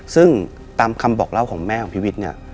ซึ่งตามคำบอกเล่าของแม่ของพี่วิทย์เนี่ย